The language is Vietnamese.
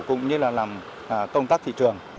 cũng như là làm công tác thị trường